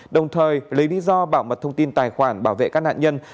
đồng thời lấy lý do bảo mật thông tin tài khoản